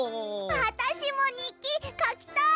あたしもにっきかきたい！